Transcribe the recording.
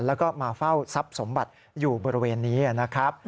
แล้วก็มาเฝ้าทรัพย์สมบัติอยู่บริเวณนี้นะครับ